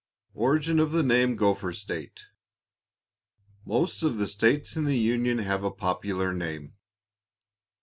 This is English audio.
ORIGIN OF THE NAME "GOPHER STATE." Most of the states in the Union have a popular name.